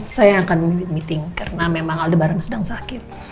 saya akan memilih meeting karena memang al debaran sedang sakit